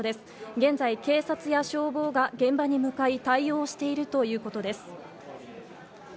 現在、警察や消防が現場へ向かい対応しているということです。